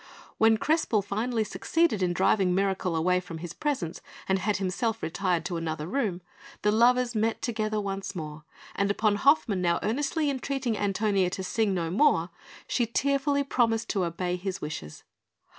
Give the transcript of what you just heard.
When Crespel finally succeeded in driving Mirakel away from his presence, and had himself retired to another room, the lovers met together once more; and upon Hoffmann now earnestly entreating Antonia to sing no more, she tearfully promised to obey his wishes.